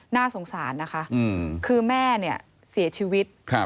น่าสงสารนะคะคือแม่เนี่ยเสียชีวิต